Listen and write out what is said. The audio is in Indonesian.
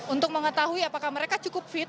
untuk mengetahui apakah mereka cukup fit